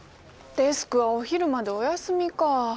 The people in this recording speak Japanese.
デスクはお昼までお休みか。